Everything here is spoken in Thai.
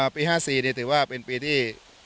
ปี๕๔ถือว่าเป็นปีที่